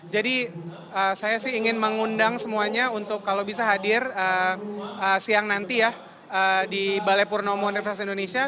jadi saya sih ingin mengundang semuanya untuk kalau bisa hadir siang nanti ya di balai purnomo universitas indonesia